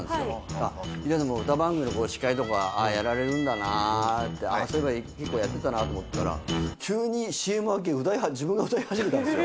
あっ、ヒデさんも歌番組の司会とかやられるんだなって、ああ、そういえば一個やってたなと思ったら、急にＣＭ明け、自分が歌い始めたんですよ。